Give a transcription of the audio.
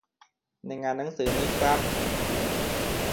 ในงานหนังสือนี้ครับ